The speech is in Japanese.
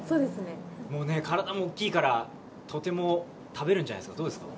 体も大きいから、とても食べるんじゃないですか、どうですか？